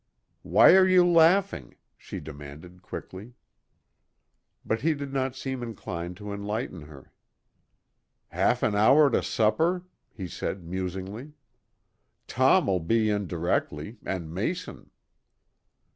"Why are you laughing?" she demanded quickly. But he did not seem inclined to enlighten her. "Half an hour to supper?" he said musingly. "Tom'll be in directly and Mason."